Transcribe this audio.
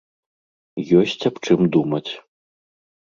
Ёсць аб чым думаць.